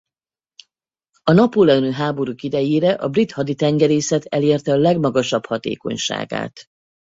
A napóleoni háborúk idejére a brit haditengerészet elérte a legmagasabb hatékonyságát.